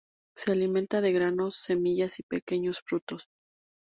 Se alimenta de granos, semillas y pequeños frutos.